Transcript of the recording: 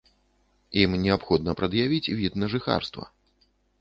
Ім неабходна прад'явіць від на жыхарства.